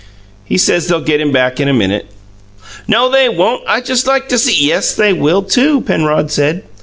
"He says they'll get him back in a minute." "No, they won't. I'd just like to see " "Yes, they will, too," Penrod said.